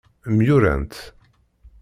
Myurant.